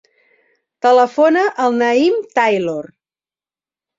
Telefona al Naïm Taylor.